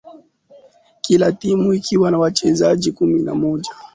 kila timu ikiwa na wachezaji kumi na mmoja